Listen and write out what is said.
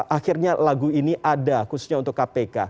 akhirnya lagu ini ada khususnya untuk kpk